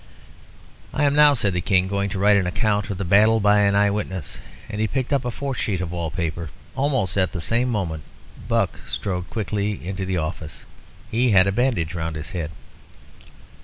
"I am now," said the King, "going to write an account of the battle by an eye witness." And he picked up a fourth sheet of wall paper. Almost at the same moment Buck strode quickly into the office. He had a bandage round his head.